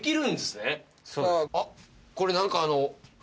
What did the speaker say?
あっこれ何かあの。